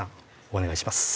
お願いします